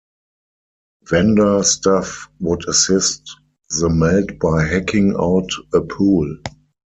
Vanda staff would assist the melt by hacking out a "pool".